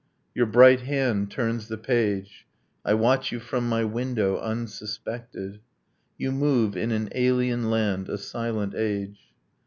Your bright hand turns the page. I watch you from my window, unsuspected: You move in an alien land, a silent age